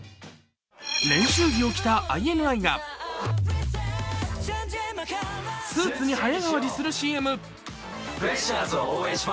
練習着を着たＩＮＩがスーツに早替わりするＣＭ。